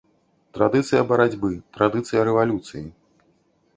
Традыцыя барацьбы, традыцыя рэвалюцыі.